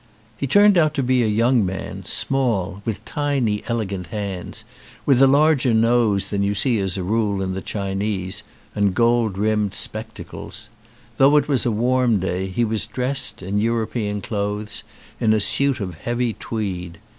He turned out to be a young man, small, with tiny elegant hands, with a larger nose than you see as a rule in the Chinese and gold rimmed spectacles. Though it was a warm day he was dressed, in European clothes, in a suit of heavy tweed.